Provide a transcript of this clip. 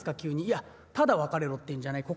「いやただ別れろっていうんじゃない。